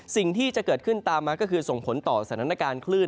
สิ่งที่จะเกิดขึ้นตามมาก็คือส่งผลต่อสถานการณ์คลื่น